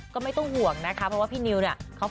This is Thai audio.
ก็ไม่ต้องห่วงนะคะเพราะพี่นิวเขา